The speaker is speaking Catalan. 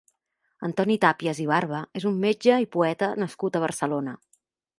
Antoni Tàpies i Barba és un metge i poeta nascut a Barcelona.